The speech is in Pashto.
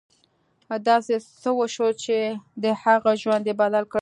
داسې څه وشول چې د هغه ژوند یې بدل کړ